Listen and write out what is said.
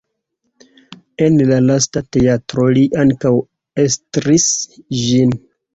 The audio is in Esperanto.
En la lasta teatro li ankaŭ estris ĝin.